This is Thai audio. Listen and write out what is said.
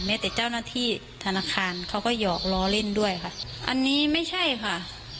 แต่เจ้าหน้าที่ธนาคารเขาก็หยอกล้อเล่นด้วยค่ะอันนี้ไม่ใช่ค่ะ